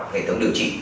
hệ thống điều trị